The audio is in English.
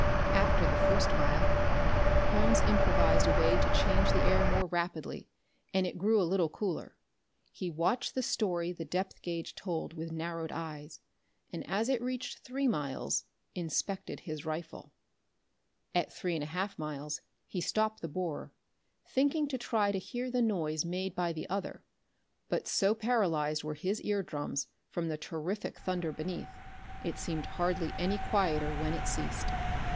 After the first mile Holmes improvised a way to change the air more rapidly, and it grew a little cooler. He watched the story the depth gauge told with narrowed eyes, and, as it reached three miles, inspected his rifle. At three and a half miles he stopped the borer, thinking to try to hear the noise made by the other, but so paralyzed were his ear drums from the terrific thunder beneath, it seemed hardly any quieter when it ceased.